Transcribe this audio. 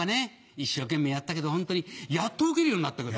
一生懸命やったけどホントにやっとウケるようになったから。